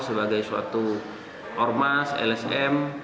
sebagai suatu ormas lsm